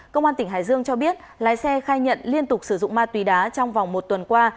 công an tỉnh hải dương cho biết lái xe khai nhận liên tục sử dụng ma túy đá trong vòng một tuần qua